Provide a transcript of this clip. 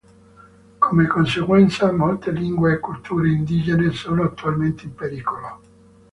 Come conseguenza molte lingue e culture indigene sono attualmente in pericolo.